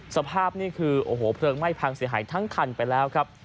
สภาพนี่คือโอ้โหเพลิงไหม้พังเสียหายทั้งคันไปแล้วครับ